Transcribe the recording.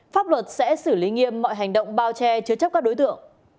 pháp luật sẽ xử lý nghiêm mọi hành động bao che chứa chấp các đối tượng